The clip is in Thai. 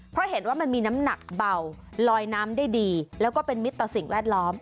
เพราะเห็นว่ามันมีน้ำหนักเบาลอยน้ำได้ดีแล้วก็เป็นมิตรต่อสิ่งแวดล้อม